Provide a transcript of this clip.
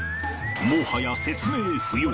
もはや説明不要。